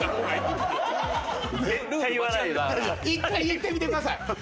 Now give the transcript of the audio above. １回言ってみてください。